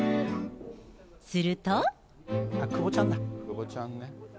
すると。